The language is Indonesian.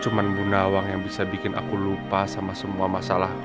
cuma bu nawang yang bisa bikin aku lupa sama semua masalah